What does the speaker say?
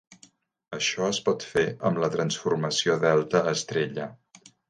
Això es pot fer amb la transformació delta estrella.